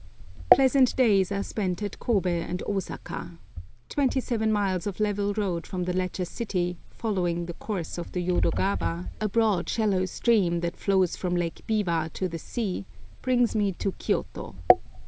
Pleasant days are spent at Kobe and Ozaka. Twenty seven miles of level road from the latter city, following the course of the Yodo gawa, a broad shallow stream that flows from Lake Biwa to the sea, brings me to Kioto.